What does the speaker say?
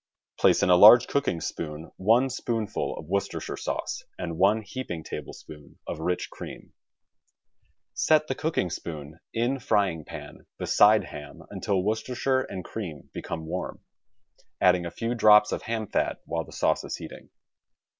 Place in a large cooking spoon one spoonful of Worcester shire sauce, and one heaping tablespoon of rich cream. Set the cooking spoon in frying pan beside ham until Worcestershire and cream become warm, adding a few drops of ham fat while the sauce is heating.